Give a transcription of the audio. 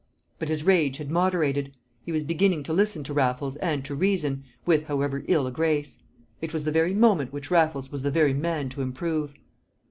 But his rage had moderated; he was beginning to listen to Raffles and to reason, with however ill a grace. It was the very moment which Raffles was the very man to improve.